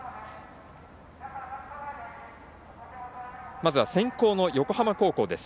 まずは先攻の横浜高校です。